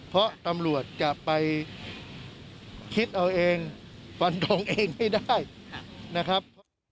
เพราะตำรวจจะไปคิดเอาเองฟันทงเองให้ได้นะครับ